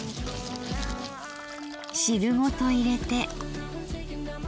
汁ごと入れて。